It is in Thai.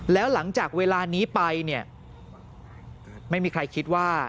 แล้วหลังจากเวลานี้ไปเนี่ยไม่มีใครคิดว่า